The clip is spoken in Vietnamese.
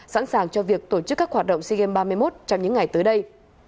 sẵn sàng cho việc tổ chức các hoạt động sea games ba mươi một trong những ngày tới đây